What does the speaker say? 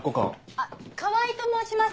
あっ川合と申します。